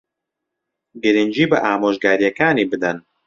گرنگی بە ئامۆژگارییەکانی بدەن.